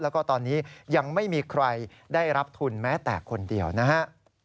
แล้วก็ตอนนี้ยังไม่มีใครได้รับทุนแม้แต่คนเดียวนะฮะ